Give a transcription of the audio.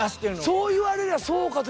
そう言われりゃそうか。